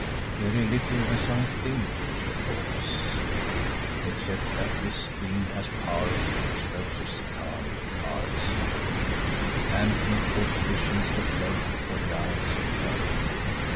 "Very little, as I think, Umslopogaas, except that this queen has powers to which those of Zikali are as nothing, and can cause visions to float before the eyes of men.